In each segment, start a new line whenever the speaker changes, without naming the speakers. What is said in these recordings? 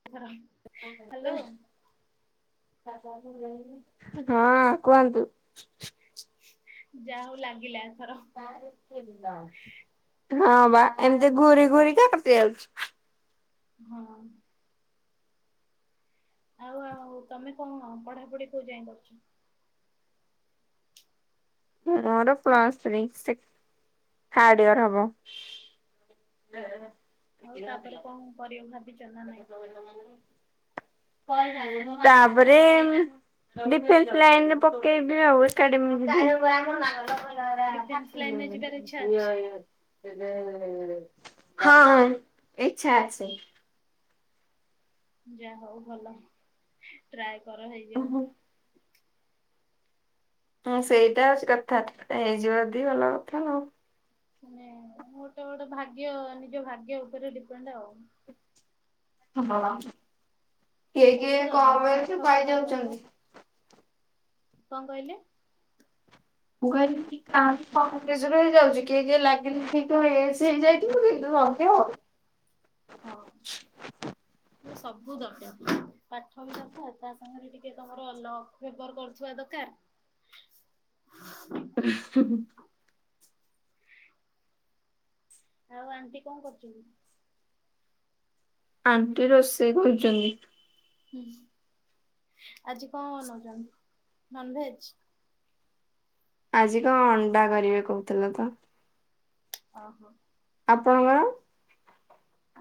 [inaudible] Hello
[inaudible] ହଁ କୁହନ୍ତୁ।
ଯାହା ହଉ ଲାଗିଲାଏଥର।
ହଁ ବା ଏମିତି ଘୋରି ଘୋରି କଟି ଯାଉଛି।
ହଁ ଆଉ ଆଉ ତମେ କଣ ପଢାପଢି କୋଉ ଯାଇ କରୁଛ।
ମୋର plus three Sheikh third year ହବ।
ଓହୋ ଆଉ ତାପରେ କଣ କରିବା ଭାବିଛ। ନା ନାଇଁ?
ତାପରେ ଡିଫେନ୍ସ ଲାଇନ ରେ ପକେଇବି ଆଉ ଏକାଡେମିକ୍
ଡିଫେନ୍ସ ଲାଇନରେ ଯିବାର ଇଚ୍ଛା ଅଛି?
[unintelligible] ହଁ ହଁ ଇଚ୍ଛା ଅଛି।
ଯାହା ହଉ ଭଲ, ଟ୍ରାଏ କର ହେଇଯାଉ।
ହୁଁ ସେଇଟା ଅଉଛି କଥା [unintelligible] ହେଇଯିବ ଯଦି ଭଲ କଥା ନାଊ
ନ ମୋଟେ ଗୋଟେ ଭାଗ୍ୟ ନିଜ ଭାଗ୍ୟ ଉପରେ ଡିପେଣ୍ଡ ଆଉ।
ହଁ କିଏ କିଏ
ସବୁ ଦରକାର
କମ ଏଜ୍
ପାଠ
ରୁ ପାଇଁ
ପଢା ଦରକାର
ଯାଉଛନ୍ତି।
କଣ କହିଲେ।
ମୁଁ କହିଲି କି ଆଜ [unintelligible] ହେଇଯାଉଛି କିଏ କିଏ ଲାଗିଲେ କି ତ ହେଇସି ହେଇଯାଇଥିବ। କିନ୍ତୁ ଜଲଦି ହଉନି।
ହଁ।
[inaudible]
ମନେ ସବୁ ଦରକାର ପାଠ ବି ଦରକାର ତା ସାଙ୍ଗରେ ଟିକେ ତମର ଲକ୍ ଫେବର କରୁଥିବା ଦରକାର
[inaudible]
[inaudible]
[inaudible]
ଆଉ ଆଣ୍ଟି କଣ କରୁଚନ୍ତି?
ଆଣ୍ଟି ରୋଷେଇ କରୁଚନ୍ତି।
ହୁଁ ଆଜି କଣ ବନଉଚନ୍ ନନଭେଜ୍?
ଆଜି କଣ ଅଣ୍ଡା କରିବେ କୋହୁଥିଲେ ତ?
ଅହୋ।
ଆପଣଙ୍କର?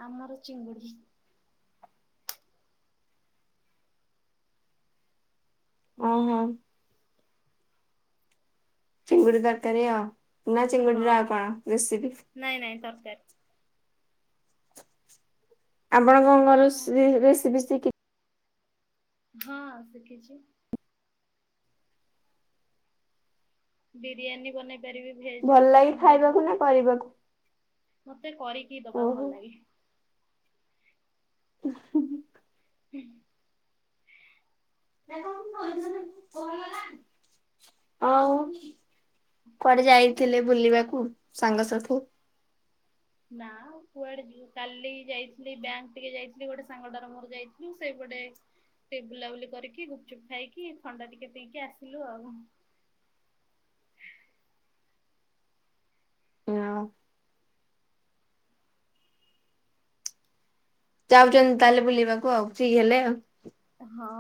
ଆମର ଚିଙ୍ଗୁଡି।
ଓ ହୋ। ଚିଙ୍ଗୁଡି ତରକାରୀ ଆଉ ନା
ହଁ
ଚିଙ୍ଗୁଡିର ଆଉ କଣ ରେସିପି?
ନାଇଁ ନାଇଁ ତରକାରି।
ଆପଣ କଣ କଣ ରେସି ରେସିପି ସିକି
ହଁ ଶିଖିଚି। ବିରିୟାନୀ ବନେଇ ପାରିବି। ଭେଜ
ଭଲ
ହଉ
ଲାଗେ
ନନ୍ ଭେଜ୍
ଖାଇବାକୁ
ହଉ
ନା କରିବାକୁ?
ମତେ କରିକି ଦବାକୁ
ଓହୋ
ଭଲ ଲାଗେ।
ହ [inaudible]
ହୁଁ।
ଆଉ କୁଆଡେ ଯାଇଥିଲେ ବୁଲିବାକୁ ସାଙ୍ଗସାଥିୁ [unintelligible]
ନା କୁଆଡେ ଯିବୁ କାଲି ଯାଇଥିଲି ବ୍ୟାଙ୍କ ଟିକେ ଯାଇଥିଲି ଗୋଟେ ସାଙ୍ଗଟାର ମୋର ଯାଇଥିଲୁ ସେଇପଟେ ଟିକେ ବୁଲାବୁଲି କରିକି ଗୁପଚୁପ୍ ଖାଇକି ଥଣ୍ଡା ଟିକେ ପି ଇକି ଆସିଲୁ ଆଉ।
ହଁ [unintelligible]
ଆଉ
ଯାଉଛନ୍ତି ତାହେଲେ ବୁଲିବାକୁ ଆଉ ଫ୍ରି ହେଲେ ଆଉ।
ହଁ।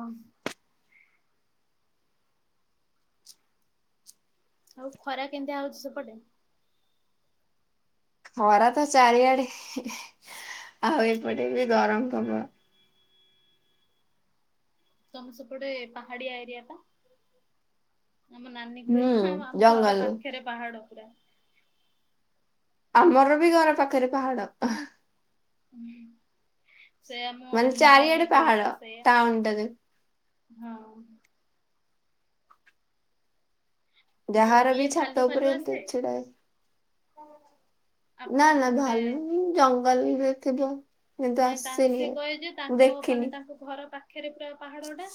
ଆଉ ଖରା କେମିତିଆ ହୋଉଚି ସେପଟେ?
ଖରା ତ ଚାରିଆଡେ ଆଉ ଏପଟେ ବି ଗରମ ପ୍ର
ତମେ ସେପଟେ ପାହାଡିଆ ଏରିଆ। ଆମ ନାନୀ
ହୁଁ
କୁହେ ଆମ ଘର
ଜଙ୍ଗଲ
ପାଖେରେ ପାହାଡ।
ଆମର ବି ଘର ପାଖେରେ ପାହାଡ।
ସେୟା ମୋ
ମାନେ ଚାରିଆଡେ
ଭୋଉଣୀ କୁହେ
ପାହାଡ
ପା ସେଇୟା।
ଟାଉନ ଟାରେ
ହଁ। ଯୋଉ
ଯାହାର ବି
ଇଏ ଭାଲୁ
ଛାତ ଉପରେ
ଫାଲୁ
ଏମିତି
ଆସେ
ଛିଡା ନାଁ
ଆପଣଙ୍କ
ନାଁ
ସେପଟେ
ଭାଲୁ ଜଙ୍ଗଲ ରେ ଥିବ। କିନ୍ତୁ
ନାଇଁ ତା
ଆସିନି
ସିଏ କହେ ଯେ
ମୁଁ
ତାଙ୍କ
ଦେଖିନି
ମାନେ ତାଙ୍କ ଘର ପାଖରେ ପୁରା ପାହାଡ ଟା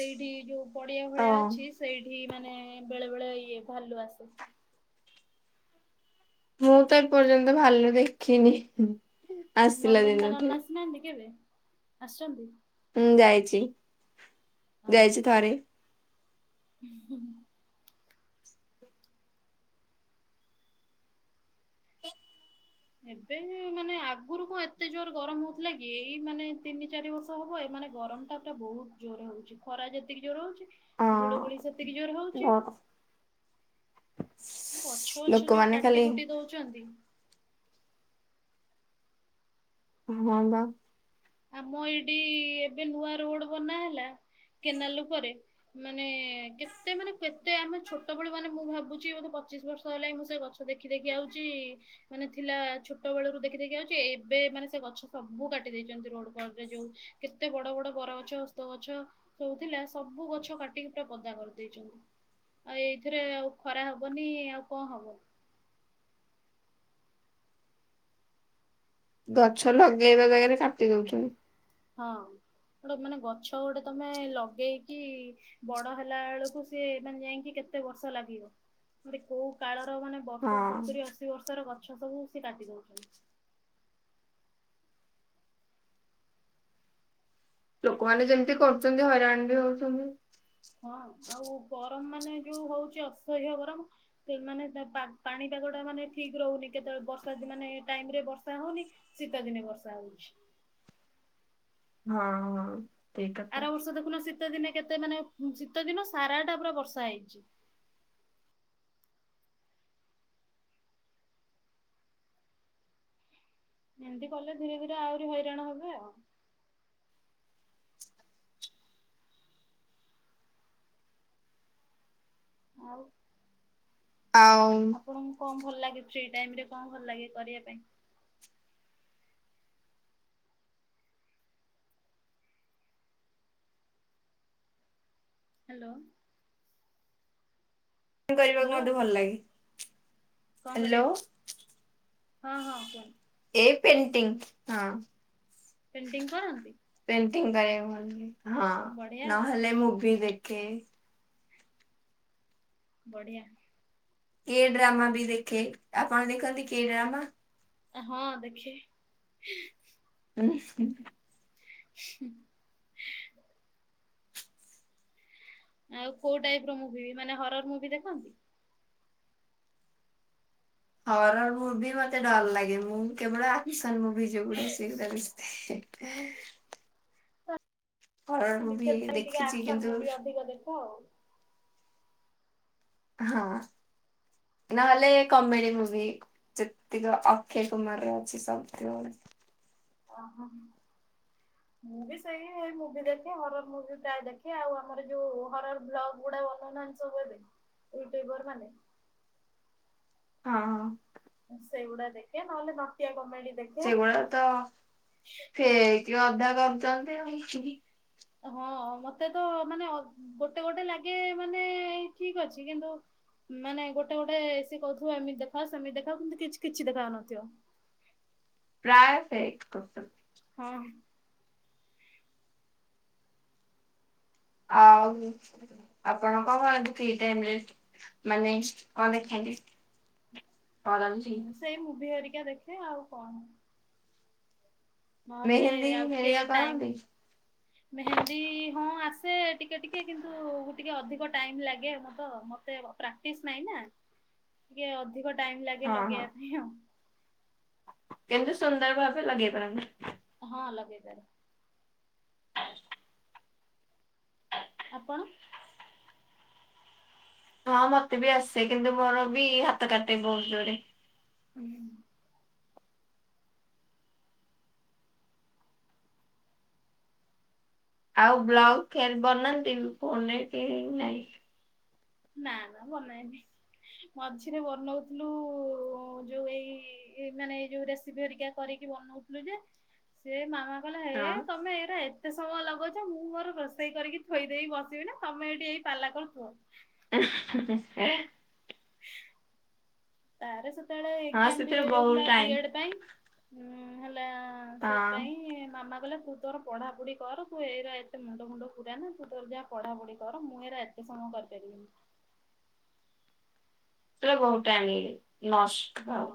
ସେଇଠି ଯୋଉ ପଡିଆ ଭଳିଆ
ହଁ
ଅଛି ସେଇଠି ମାନେ ବେଳେ ବେଳେ ଇଏ ଭାଲୁ ଆସେ।
ମୁଁ ତ ଏପର୍ଯ୍ୟନ୍ତ ଭାଲୁ ଦେଖିନି। ଆସିଲା ଦିନଠୁ
ନନ୍ଦନକାନନ ଆସିନାହାନ୍ତି କେବେ ଆସିଚନ୍ତି?
ହୁଁ ଯାଇଚି ଯାଇଚି ଥରେ।
ହୁଁ ହୁଁ [unintelligible] ଏବେ ମାନେ ଆଗରୁ କଣ ଏତେ ଜୋରେ ଗରମ ହୋ ଉଥିଲା କି ଏଇ ମାନେ ତିନି ଚାରି ବର୍ଷ ହବ ଏ ମାନେ ଗରମ ଉତାପଟା ବୋହୁତ ଜୋରେ ହୋଉଚି ଖରା ଯେତିକି ଜୋରେ ହୋଉଚି ଗୁଳୁଗୁଳି
ହଁ
ସେତିକି ଜୋରେ ହୋଉଚି। ଗଛ ଗଛ [unintelligible] ଯୋଉ
ଲୋକମାନେ
କାଟି
ଖାଲି
କୁଟି ଦୋଉଚନ୍ତି।
ହଁ ପା।
ଆମ ଏଇଠି ଏବେ ନୂଆ ରୋଡ ବନା ହେଲା କେନାଲ ଉପରେ। ମାନେ କେତେ ମାନେ କେତେ ଆମେ ଛୋଟବେଳୁ ମାନେ ମୁଁ ଭାବୁଛି ବୋଧେ ପଚିଶ ବର୍ଷ ହେଲା ମୁଁ ସେ ଗଛ ଦେଖି ଦେଖି ଆଉଚି। ମାନେ ଥିଲା ଛୋଟ ବେଳରୁ ଦେଖି ଦେଖି ଆଉଛି ଏବେ ମାନେ ସେଗଛ ସବୁ କାଟି ଦେଇଛି। ଯେମିତି ରୋଡକରରେ ଯୋଉ କେତେ ବଡ ବଡ ବରଗଛ ହସ୍ତଗଛ। ସଉଥିଲା ସବୁ ଗଛ କାଟିକି ପୁରା ପଦା କରିଦେଇଛନ୍ତି। ଆଉ ଏଇଥିରେ ଆଉ ଖରା ହବନି ଆଉ କଣ ହବ?
ଗଛ ଲଗେଇବା ଜାଗାରେ କାଟି ଦଉଛନ୍ତି।
ହଁ ଗୋଟେ ମାନେ ଗଛ ଗୋଟେ ତମେ ଲଗେଇ କି ବଡ ହେଲାବେଳକୁ ସିଏ ମାନେ ଯାଇକି କେତେ ବର୍ଷ ଲାଗିବ। [unintelligible] କୋଉ କାଳର ମାନେ ବର୍ଷ
ହଁ।
ସତୁରି ଅଶିବର୍ଷର ଗଛ ସବୁ ସିଏ କାଟି ଦଉଛନ୍ତି।
ଲୋକମାନେ ଯେମିତି କରୁଚନ୍ତି ହଇରାଣବି ହଉଛନ୍ତି।
ହଁ ଆଉ ଗରମ ମାନେ ଯୋଉ ହଉଛି ଅସହ୍ୟ ଗରମ। ସେମାନେ ସେ ପାଗ ପାଣିପାଗଟା ମାନେ ଠିକ ରହୁନି କେତେବେଳେ ବର୍ଷାଦିନ ମାନେ ଟାଇମରେ ବର୍ଷା ହଉନି। ଶୀତଦିନେ ବର୍ଷା ହଉଛି।
ହଁ ହଁ ଠିକ୍ କଥା।
ଆରବର୍ଷ ଦେଖୁନ ଶୀତଦିନେ କେତେ ମାନେ ଶୀତଦିନ ସାରାଟା ପୁରା ବର୍ଷା ହେଇଛି। ଏମେତି କଲେ ଧୀରେ ଧୀରେ ଆହୁରି ହଇରାଣ ହେବ ଆଉ। ଆଉ।
ଆଉ।
ଆପଣଙ୍କୁ କଣ ଭଲଲାଗେ ଫ୍ରି ଟାଇମରେ କଣ ଭଲଲାଗେ କରିବା ପାଇଁ? ହାଲୋ।
ପେଣ୍ଟିଙ୍ଗ କରିବାକୁ
ହ୍ୟାଲୋ
ମତେ ଭଲଲାଗେ।
କଣ କରିବାକୁ ହଁ ହଁ?
ଏ ପେଣ୍ଟିଙ୍ଗ ହଁ।
ପେଣ୍ଟିଙ୍ଗ କରନ୍ତି।
ପେଣ୍ଟିଙ୍ଗ କରିବାକୁ ଭଲଲାଗେ ହଁ
ବଢିଆ
ହଁ
ଆଉ
ନହେଲେ ମୁଭି ଦେଖେ।
ବଢିଆ।
କିଏ ଡ୍ରାମାବି ଦେଖେ ଆପଣ ଦେଖନ୍ତିକି ଡ୍ରାମା।
ହଁ ଦେଖେ ହେଁ।
ଉୁଁ ହୁଁ।
[unintelligible] ଆଉ କୋଉ ଟାଇପର ମୁଭି ମାନେ ହରହର ମୁଭିଦେଖ।
ହରହର ମୁଭି ମତେ ଡରଲାଗେ ମୁଁ। କେବଳ ଆକ୍ସନ ମୁଭି ଯୋଉଗୁଡା ସେଇଗୁଡା ବେଶୀ ଦେଖେ। ହରର
[unintelligible]
ମୁଭି
ଟିକେ
ଦେଖିଛି
ଆକ୍ସନ
କିନ୍ତୁ
ମୁଭି ଅଧିକ ଦେଖ ଆଉ।
ହଁ ନହେଲେ କମେଡି ମୁଭିି। ଯେତିକି ଅକ୍ଷୟ କୁମାର ଅଛି ସବୁ।
ଅହ।
[inaudible]
ମୁଁବି ସେଇ ଏଇ ମୁଭି ଦେଖେ ହରହର ମୁଭି ପ୍ରାୟ ଦେଖେ ଆଉ ଆମର ଯୋଉ ହରହର ବ୍ଲଗ ଗୁଡା ବନଉନାହାନ୍ତି। [unintelligible] ଏଇଯୋଉ ଗଡମାନେ।
ହଁ।
ସେଗୁଡା ଦେଖେ ନହେଲେ ନଟିଆ କମେଡି ଦେଖେ।
ସେଗୁଡାତ ସେଇ [unintelligible] କରୁଛନ୍ତି ଆଉ।
ହଁ ମତେତ ମାନେ ଅ ଗୋଟେ ଗୋଟେ ଲାଗେ ମାନେ ଠିକ ଅଛି କିନ୍ତୁ ମାନେ ଗୋଟେ ଗୋଟେ ସିଏ କହୁଥିବ ଏମିତି ଦେଖ ସେମିତି ଦେଖ କିନ୍ତୁ କିଛି କିଛି ଦେଖାହଉନଥିବ।
ପ୍ରାୟ ସେ।
ହଁ
ଆଉ ଆପଣ କଣ କରନ୍ତି ଫ୍ରି ଟାଇମରେ? ମାନେ କଣ ଦେଖାନ୍ତି, କରନ୍ତି?
ମୁଁ ସେଇ ମୁଭି ହେରିକା ଦେଖେ ଆଉ କଣ? ନହଲେ
ମେହେନ୍ଦୀ
ଆଉ ଟିକେ
ହେରିକା
ଟାଇମ୍
କରନ୍ତି?
ମେହେନ୍ଦୀ ହଁ ଆସେ ଟିକେ ଟିକେ କିନ୍ତୁ ଟିକେ ଅଧିକ ଟାଇମ୍ ଲାଗେ ମତ ମ ତେ ପ୍ରାକ୍ଟିସ୍ ନାଇଁ ନା ଟିକେ ଅଧିକ ଟାଇମ୍ ଲାଗେ
ହଁ ହଁ।
ଲଗେଇବା ପାଇଁ ଆଉ।
କିନ୍ତୁ ସୁନ୍ଦର ଭାବେ ଲଗେଇ ପାରନ୍ତି।
ହଁ ଲଗେଇପାରେ। ଆପଣ?
ହଁ ମତେ ବି ଆସେ କିନ୍ତୁ ମୋର ବି ହାତ କାଟେ ବହୁତ ଜୋରେ।
ହୁଁ
ଆଉ ବ୍ଲାଉଜ୍ କେମିତି ବନାନ୍ତି କଣ ନାଇଁ କେଇଁ ନାଇଁ?
ନାଁ ନାଁ ବନାଏନି। ମଝିରେ ବନଉଥୁଲୁ ଯୋଉ ଏଇ ଏମାନେ ଏଇ ଯୋଉ ରେସିପି ହେରିକା। କରିକି ବନଉଥିଲୁ ଯେ
[inaudible]
ସେ ମାମା କହିଲା ହେ ତମେ ଏରା ଏ ତେ ସମୟ ଲଗଉଛ ମୁଁ ମୋର ରୋଷେଇ କରିକି ଥୋଇ ଦେଇ ବସିବି ନା ତମେ ଏଇଠି ଏଇ ପାଲା କରୁଥୁବ।
[unintelligible]
ତାର ସେତେବେଳେ
ହଁ
ଏକ୍ଜାମ୍ ବି
ସେଥିରେ ବହୁତ
ରହିଯାଉଥିଲା
ଟାଇମ
ବିଏଡ଼୍ ପାଇଁ। ହୁଁ ହେଲା
ହଁ
ସେଇଥିପାଇଁ ମାମା କହିଲା [unintelligible] ତୋର ପଢ଼ାପଢି କର ତୁ ଏଇରା ଏତେ ମୁଣ୍ଡ ଫୁଣ୍ଡ ପୁରାନା ତୁ ତୋର ଯା ପଢ଼ାପଢି କର ମୁଁ ହେରା ଏ ଏତେ ସମୟ କରିପାରିବିନି।
[unintelligible] ବହୁତ ଟାଇମ୍ ନଷ୍ଟ
ହଁ
ଆଉ।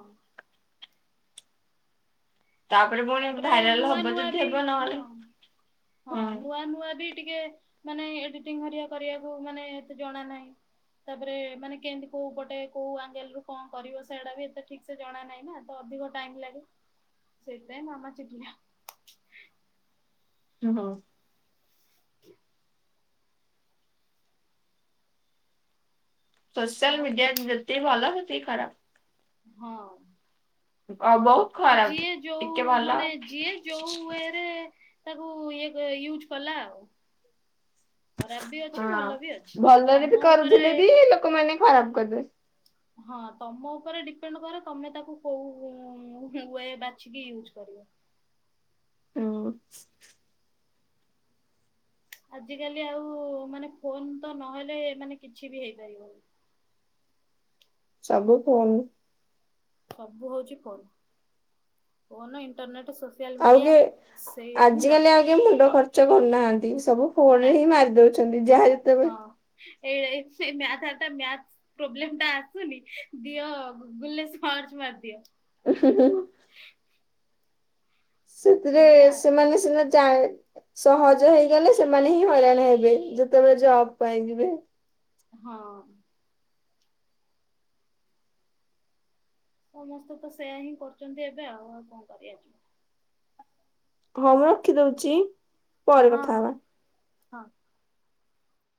ପୁଣି
ତାପରେ
ଭାଇରାଲ
ନୂଆ
ହବ
ନୂଆ
ଯଦି
ବି
ହେବ
ହଁ,
ନହେଲେ
ହଁ ନୂଆ
ହୁଁ
ନୂଆ ବି ଟିକେ ମାନେ ଏଡିଟିଂ ହରିକା କରିବାକୁ ମାନେ ଏତେ ଜଣା ନାହିଁ। ତାପରେ ମାନେ କେମିତି କୋଉ ପଟେ କୋଉ ଆଙ୍ଗେଲରୁ କଣ କରିବ ସେଏଟା ବି ଏତେ ଠିକ୍ ସେ ଜଣା ନାଇଁ ନା ତ ଅଧିକ ଟାଇମ୍ ଲାଗେ। ସେଥିପାଇଁ ମାମା ଚିଡ଼ିଲା।
ଓହୋ।
[inaudible]
ସୋସିଆଲ୍
ଆଉ
ମିଡିଆ ଯେତିକି ଭଲ ସେତିକି ଖରାପ୍।
ହଁ।
ଆଉ ବୋଉ?
ଯିଏ ଯୋଉ ମାନେ ଯିଏ ଯୋଉ ହୁଏ ସେ ତାକୁ ଇଏ କ ୟୁଜ୍ କଲା ଆଉ। ଖରାପ୍ ବି ଅଛି
ହଁ
ଭଲ ବି ଅଛି,
ଭଲରେ ବି
ତମ ଉପରେ
କରୁଥିଲେ ବି ଲୋକମାନେ ଖରାପ୍ କରିଦେବେ।
ହଁ ତମ ଉପରେ ଡିପେଣ୍ଡ କରେ ତମେ ତାକୁ କୋଉ ଉଁ ହୁଁ ୱେଏ ବାଛିକି ୟୁଜ୍ କରିବ।
[unintelligible]
ଆଜିକାଲି ଆଉ ମାନେ ଫୋନ୍ ତ ନହେଲେ ମାନେ କିଛି ବି ହେଇପାରିବନି।
ସବୁ ଫୋନରେ।
ସବୁ ହଉଛି ଫୋନ୍, ଫୋନ୍ ଇଣ୍ଟରନେଟ ସୋ
ଆଉ କି ଆଜିକାଲି ଆଉ କିଏ ମୁଣ୍ଡ ଖର୍ଚ୍ଚ ଖର୍ଚ୍ଚ କରୁନାହାନ୍ତି ସବୁ ଫୋନ
ନା
ରେ ହିଁ ମାରି ଦଉଛନ୍ତି ଯାହା ଯେତେବେଳେ
ହଁ ଏଇ ସେ ମ୍ୟାଥତା ମ୍ୟାଥ ପ୍ରୋବ୍ଲେମ ଟା ଆସୁନି ଦିଅ ଗୁଗୁଲ ରେ ସର୍ଚ୍ଚ ମାରିଦିଅ।
ଉ, ହୁଁ, ହୁଁ। ସେଥିରେ
ଏଇଆ ଆଉ
ସେମାନେ ସିନା ଯାଣି ସହଜ ହେଇଗଲେ ସେମାନେ ହିଁ ହଇରାଣ ହେବେ ଯେତେବେଳେ ଜବ ପାଇଁ ଯିବେ।
ହଁ। ସମସ୍ତେ ତ ସେୟା ହିଁ କରୁଚନ୍ତି ଏବେ ଆଉ, ଆଉ କଣ କରିବା।
ଘରେ ରଖିଦଉଚି।
ହଁ, ହଁ, ହଁ।